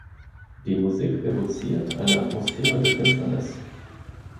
Die Musik evoziert eine Atmosphäre der Finsternis.